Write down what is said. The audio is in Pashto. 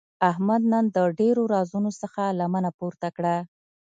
احمد نن د ډېرو رازونو څخه لمنه پورته کړه.